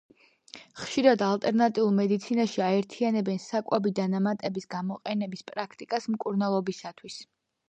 ხშირად ალტერნატიულ მედიცინაში აერთიანებენ საკვები დანამატების გამოყენების პრაქტიკას მკურნალობისათვის.